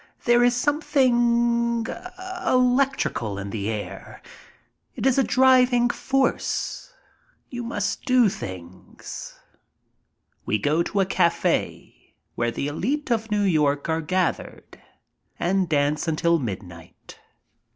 There is some thing electrical in the air. It is a driving force. You must do things." We go to a cafe, where the elite of New York are gathered, and dance until midnight.